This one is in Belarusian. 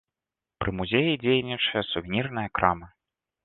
Пры музеі дзейнічае сувенірная крама.